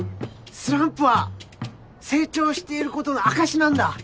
スランプは成長していることの証しなんだ！